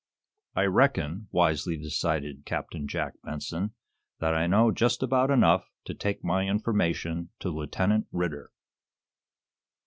"I reckon," wisely decided Captain Jack Benson, "that I know just about enough to take my information to Lieutenant Ridder."